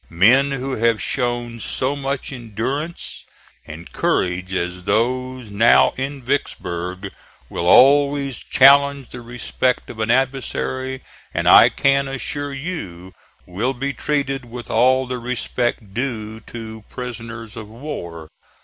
Men who have shown so much endurance and courage as those now in Vicksburg, will always challenge the respect of an adversary, and I can assure you will be treated with all the respect due to prisoners of war.